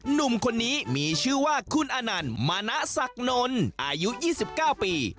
หนุ่มคนนี้มีชื่อว่าคุณอนันต์มณะศักดิ์นลอายุ๒๙ปี